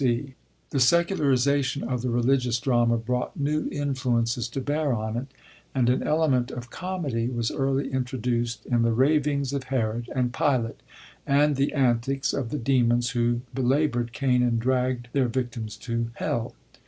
SECULAR INFLUENCE The secularisation of the religious drama brought new influences to bear on it, and an element of comedy was early introduced in the ravings of Herod and Pilate, and the antics of the demons who belabord Cain and dragd their victims to Hell.